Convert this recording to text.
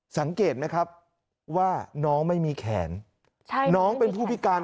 สังเกตไหมครับว่าน้องไม่มีแขนน้องเป็นผู้พิการ